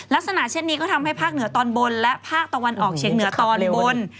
ลักษณะเช่นนี้ก็ทำให้ภาคเหนือตอนบนและภาคตะวันออกเชียงเหนือตอนบน